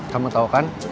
kamu tau kan